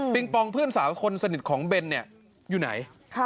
ปองเพื่อนสาวคนสนิทของเบนเนี่ยอยู่ไหน